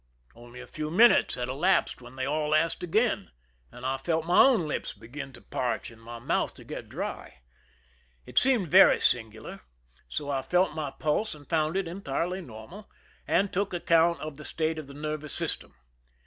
Only a few minutes had elapsed when they :« 107 I THE SINKING OF THE "MEREIMAC \'\ all asked again, and I felt my own lips begin to parch and my mouth to get dry. It seemed very i singular, so I felt my pulse, and found it entirely I normal, and took account of the state of the nervous ) system.